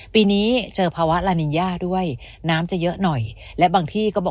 ปีนี้เจอภาวะลานินยาด้วยน้ำจะเยอะหน่อยและบางที่ก็บอก